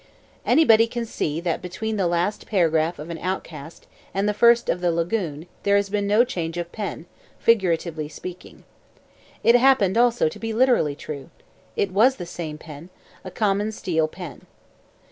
Anybody can see that between the last paragraph of An Outcast and the first of The Lagoon there has been no change of pen, figuratively speaking. It happened also to be literally true. It was the same pen: a common steel pen.